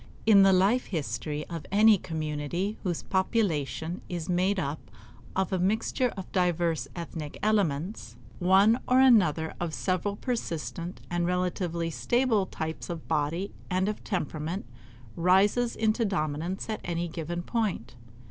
In the life history of any community whose population is made up of a mixture of divers ethnic elements, one or another of several persistent and relatively stable types of body and of temperament rises into dominance at any given point.